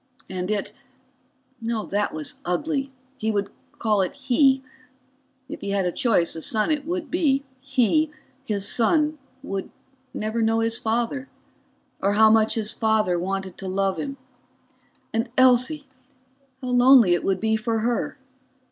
And it that was ugly; he would call it "he"; if he had a choice a son it would be he, his son, would never know his father, or how much his father wanted to love him. And Elsie how lonely it would be for her.